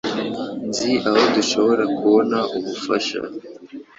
Nzi aho dushobora kubona ubufasha